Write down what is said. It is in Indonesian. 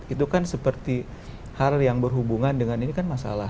itu kan seperti hal yang berhubungan dengan ini kan masalah